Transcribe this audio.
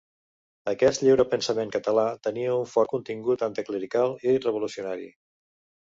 Aquest lliurepensament català tenia un fort contingut anticlerical i revolucionari.